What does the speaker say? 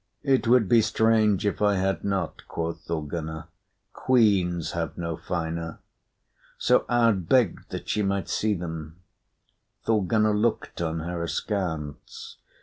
"It would be strange if I had not," quoth Thorgunna. "Queens have no finer." So Aud begged that she might see them. Thorgunna looked on her askance.